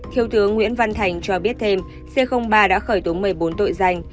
thiếu tướng nguyễn văn thành cho biết thêm c ba đã khởi tố một mươi bốn tội danh